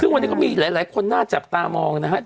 ซึ่งวันนี้ก็มีหลายคนน่าจับตามองนะครับ